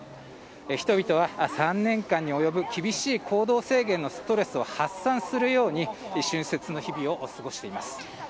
人々は３年間に及ぶ厳しい行動制限のストレスを発散するように春節の日々を過ごしています。